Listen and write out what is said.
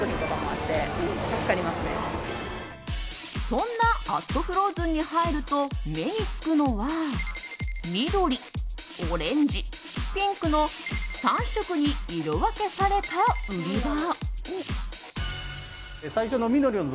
そんな＠ＦＲＯＺＥＮに入ると目につくのは緑、オレンジ、ピンクの３色に色分けされた売り場。